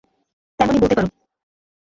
তেমনই বলতে পারো।